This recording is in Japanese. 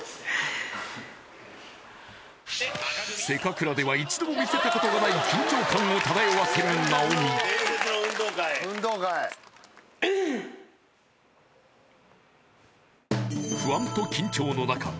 「せかくら」では一度も見せたことのない緊張感を漂わせる直美不安と緊張の中